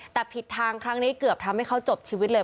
แต่ผิดทางครั้งนี้เกือบทำให้เขาจบชีวิตเลย